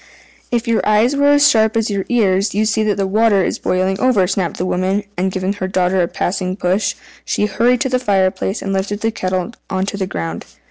"If your eyes were as sharp as your ears you'd see that the water is boiling over," snapped the woman; and giving her daughter a passing push, she hurried to the fire place, and lifted the kettle on to the ground.